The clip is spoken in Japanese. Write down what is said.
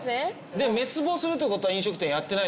でも滅亡するってことは飲食店やってないですよね？